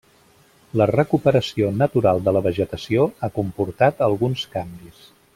La recuperació natural de la vegetació ha comportat alguns canvis.